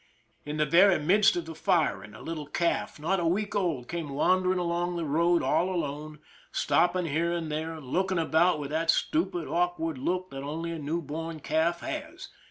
In the very midst of the firing, a little calf not a week old came wander ing along the road all alone, stopping here and there, and looking about with that stupid, awkward look that only a new born calf has.